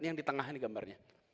ini yang di tengah ini gambarnya